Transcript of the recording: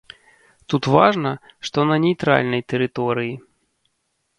Тут важна, што на нейтральнай тэрыторыі.